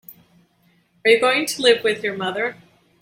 Are you going to live with your mother?